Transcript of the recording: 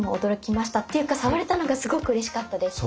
っていうか触れたのがすごくうれしかったです。